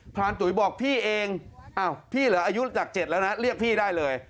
รานตุ๋ยบอกพี่เองอ้าวพี่เหรออายุจาก๗แล้วนะเรียกพี่ได้เลย